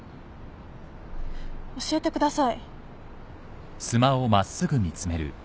教えてください。